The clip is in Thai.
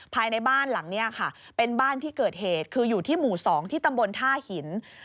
ภายในบ้านหลังนี้ค่ะเป็นบ้านที่เกิดเหตุคืออยู่ที่หมู่๒ที่ตำบลท่าหิน